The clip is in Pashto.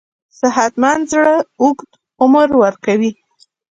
صحتمند زړه اوږد عمر ورکوي.